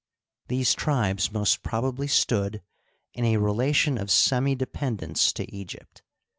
These tribes most probably stood in a relation of semidependence to Eg>'pt.